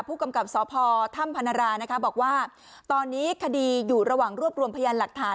ผู้กำกับสพถ้ำพนรานะคะบอกว่าตอนนี้คดีอยู่ระหว่างรวบรวมพยานหลักฐาน